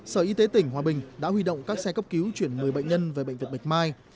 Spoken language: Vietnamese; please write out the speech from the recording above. sở y tế tỉnh hòa bình đã huy động các xe cấp cứu chuyển một mươi bệnh nhân về bệnh viện bạch mai